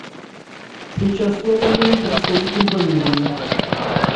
Сейчас слово имеет представитель Боливии.